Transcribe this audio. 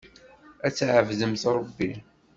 Ad tɛebdemt Ṛebbi.